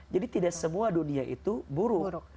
tidak semua dunia itu buruk